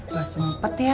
udah sempet ya